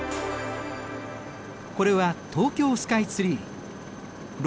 これは東京スカイツリー。